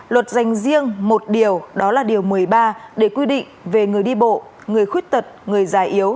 luật dành riêng một điều đó là điều một mươi ba để quy định về người đi bộ người khuyết tật người già yếu